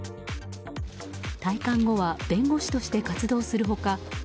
退官後は弁護士として活動する他